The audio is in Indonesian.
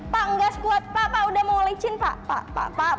pak enggak sekuat pak pak udah mau lecin pak pak pak pak